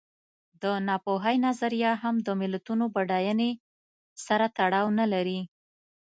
د ناپوهۍ نظریه هم د ملتونو بډاینې سره تړاو نه لري.